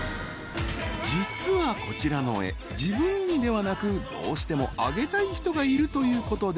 ［実はこちらの絵自分にではなくどうしてもあげたい人がいるということで］